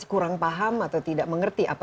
kurang paham atau tidak mengerti apa